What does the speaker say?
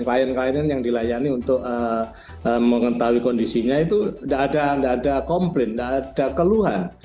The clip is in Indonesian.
klien klien yang dilayani untuk mengetahui kondisinya itu tidak ada komplain tidak ada keluhan